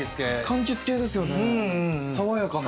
かんきつ系ですよね爽やかな。